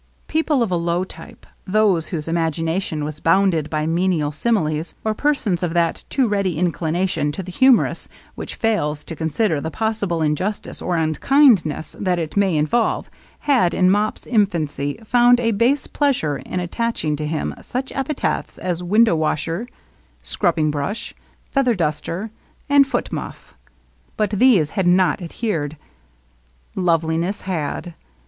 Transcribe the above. People of a low type, those whose imagination was bounded by menial sinnles, or persons of that too ready inclination to the humorous which fails to consider the possible injustice or unkindness that it may involve, had in Mop's infancy found a base pleasure in attaching to him such epithets as window washer, scrubbing brush, feather duster, and f ootmuff • But these had not adhered. Loveliness had.